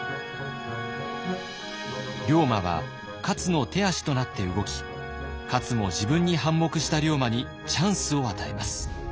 龍馬は勝の手足となって動き勝も自分に反目した龍馬にチャンスを与えます。